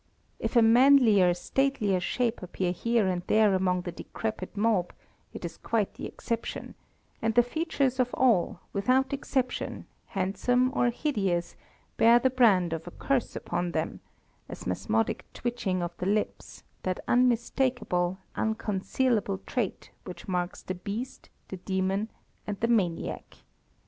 If a manlier, statelier shape appear here and there among the decrepit mob, it is quite the exception; and the features of all, without exception, handsome or hideous, bear the brand of a curse upon them, a spasmodic twitching of the lips, that unmistakable, unconcealable trait which marks the beast, the demon, and the maniac.